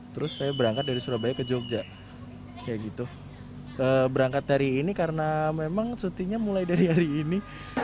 terus saya berangkat dari surabaya ke jogja kayak gitu berangkat dari ini karena memang cutinya mulai dari hari ini